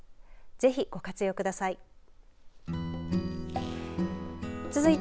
ぜひ、ご活用ください。